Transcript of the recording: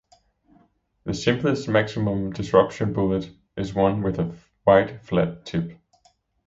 The simplest maximum disruption bullet is one with a wide, flat tip.